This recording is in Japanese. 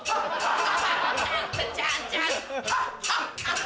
ハハハ！